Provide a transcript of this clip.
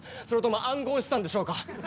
それとも暗号資産でしょうか？